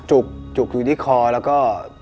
จุกอยู่ที่คอแล้วก็